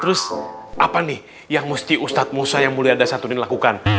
terus apa nih yang mesti ustadz musa yang mulia ada satu ini lakukan